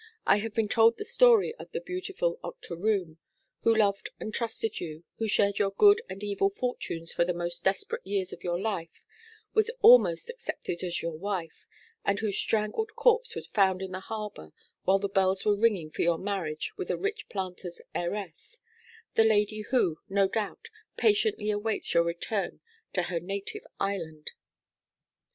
I have been told the story of the beautiful Octoroon, who loved and trusted you, who shared your good and evil fortunes for the most desperate years of your life, was almost accepted as your wife, and whose strangled corpse was found in the harbour while the bells were ringing for your marriage with a rich planter's heiress the lady who, no doubt, now patiently awaits your return to her native island.'